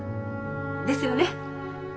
ですよね？